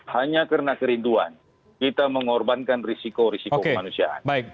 hanya karena kerinduan kita mengorbankan resiko resiko kemanusiaan